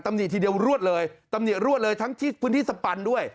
หนีทีเดียวรวดเลยตำหนิรวดเลยทั้งที่พื้นที่สปันด้วย